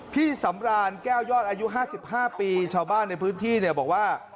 พี่สำราญแก้วยอดอายุ๕๕ปีชาวบ้านในพื้นที่เนี่ยบอกว่า